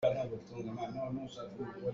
Cauk kha rak pu tuah.